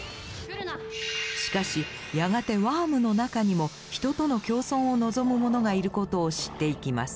しかしやがてワームの中にも人との共存を望む者がいることを知っていきます。